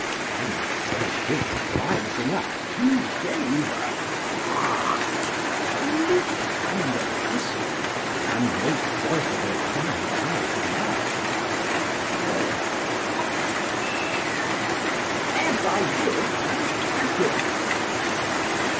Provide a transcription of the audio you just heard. Then forthwith rising up he gave a fart, a leap, and a whistle, and most joyfully cried out aloud, Ever live Pantagruel!